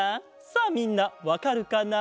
さあみんなわかるかな？